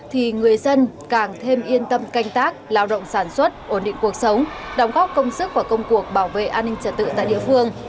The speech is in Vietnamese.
thì người dân càng thêm yên tâm canh tác lao động sản xuất ổn định cuộc sống đóng góp công sức và công cuộc bảo vệ an ninh trật tự tại địa phương